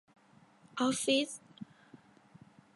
ออฟฟิศ